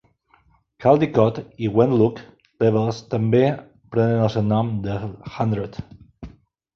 Caldicot i Wentloog Levels també prenen el seu nom del Hundred.